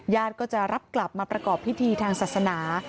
ก็จะรับกลับมาประกอบพิธีทางศาสนา